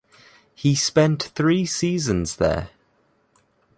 He spent three seasons there.